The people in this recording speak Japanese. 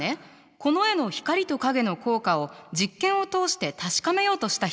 この絵の光と影の効果を実験を通して確かめようとした人たちがいるの。